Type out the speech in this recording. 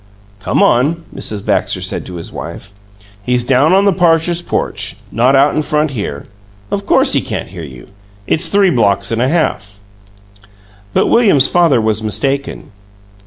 "Come on," Mr. Baxter said to his wife. "He's down on the Parchers' porch, not out in front here. Of course he can't hear you. It's three blocks and a half." But William's father was mistaken.